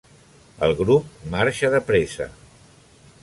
El grup marxa de pressa.